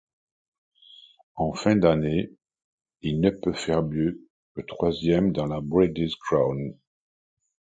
En fin d'année, il ne peut faire mieux que troisième dans la Breeders' Crown.